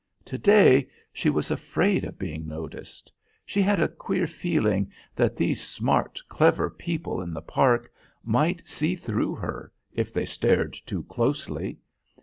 Today she was afraid of being noticed. She had a queer feeling that these smart, clever people in the Park might see through her, if they stared too closely.